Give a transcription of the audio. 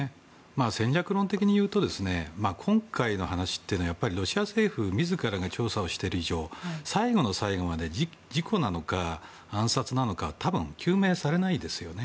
戦略論てきにいうと今回の話というのはロシア政府自らが調査をしている以上最後の最後まで事故なのか暗殺なのかは多分、究明されないですよね。